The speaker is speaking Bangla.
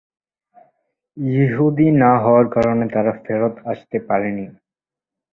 ইহুদি না হওয়ার কারণে তারা ফেরত আসতে পারেনি।